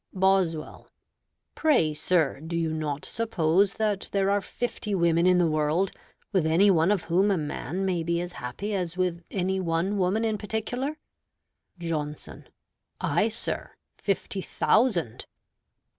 Boswell Pray, sir, do you not suppose that there are fifty women in the world, with any one of whom a man may be as happy as with any one woman in particular? Johnson Ay, sir, fifty thousand.